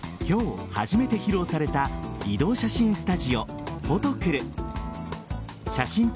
今日、初めて披露された移動写真